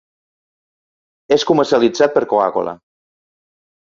És comercialitzat per Coca-Cola.